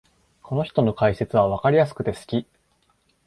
この人の解説はわかりやすくて好き